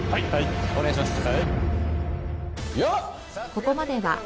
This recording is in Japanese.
お願いします